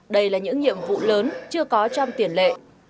đây là những nhiệm vụ lớn chưa có trong tiền lệ